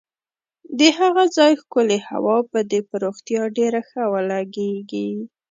د هغه ځای ښکلې هوا به دې پر روغتیا ډېره ښه ولګېږي.